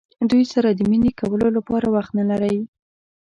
دوی سره د مینې کولو لپاره وخت نه لرئ.